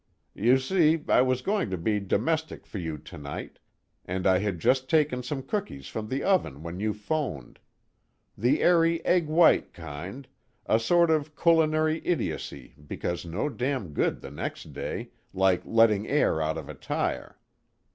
You see, I was going to be domestic for you tonight, and I had just taken some cookies from the oven when you phoned the airy egg white kind, a sort of culinary idiocy because no damn good the next day, like letting air out of a tire.